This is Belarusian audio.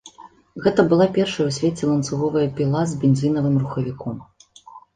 Гэта была першая ў свеце ланцуговая піла з бензінавым рухавіком.